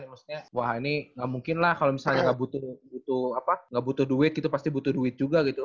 maksudnya wah ini gak mungkin lah kalau misalnya gak butuh duit pasti butuh duit juga gitu